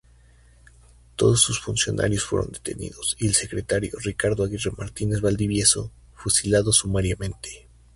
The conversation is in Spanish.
Todos sus funcionarios fueron detenidos, y el secretario, Ricardo Aguirre Martínez-Valdivieso, fusilado sumariamente.